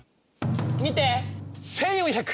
見て！